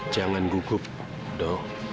jangan gugup do